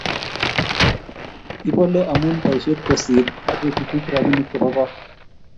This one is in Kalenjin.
Ipole amu boisiet kosir ak kechuchuch rapinik chebo kot